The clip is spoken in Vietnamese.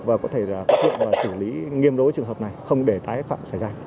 và có thể phát hiện và xử lý nghiêm đối trường hợp này không để tái phạm xảy ra